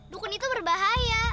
dukun itu berbahaya